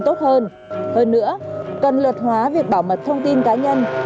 tăng tác bảo mật thông tin cá nhân